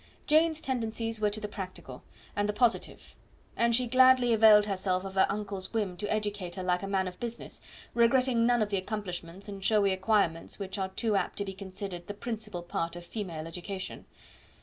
Jane's tendencies were to the practical and the positive; and she gladly availed herself of her uncle's whim to educate her like a man of business, regretting none of the accomplishments and showy acquirements which are too apt to be considered the principal part of female education.